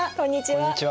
こんにちは。